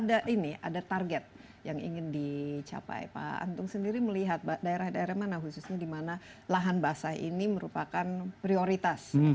ada ini ada target yang ingin dicapai pak antung sendiri melihat daerah daerah mana khususnya di mana lahan basah ini merupakan prioritas